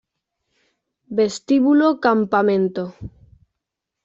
Vestíbulo Campamento